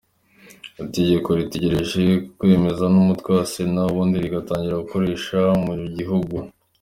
Itegeko ritegereje gkwemezwa n’umutwe wa Sena ubundi rigatangira gukoreshwa mu gihugu.